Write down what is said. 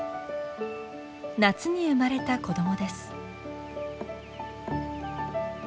夏に生まれた子どもです。